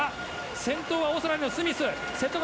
先頭はオーストラリアのスミス。